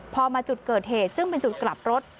พอมาจุดเกิดเหตุซึ่งเป็นจุดกลับรถ